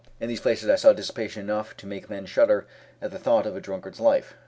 In these places I saw dissipation enough to make men shudder at the thought of a drunkard's life.